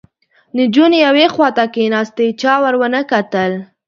نجونې یوې خواته کېناستې، چا ور ونه کتل